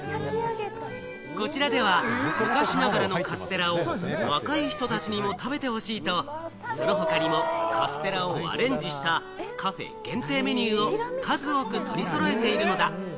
こちらでは昔ながらのカステラを若い人たちにも食べてほしいと、その他にもカステラをアレンジした、カフェ限定メニューを数多く取り揃えているのだ。